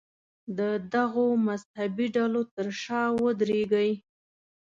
د دغو مذهبي ډلو تر شا ودرېږي.